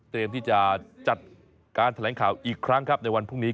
ที่จะจัดการแถลงข่าวอีกครั้งครับในวันพรุ่งนี้